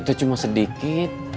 itu cuma sedikit